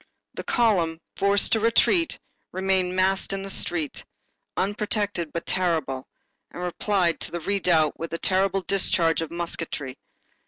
The column, forced to retreat, remained massed in the street, unprotected but terrible, and replied to the redoubt with a terrible discharge of musketry.